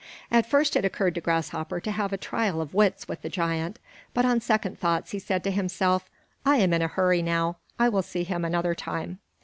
At first it occurred to Grasshopper to have a trial of wits with the giant, but on second thoughts he said to himself, "I am in a hurry now; I will see him another time."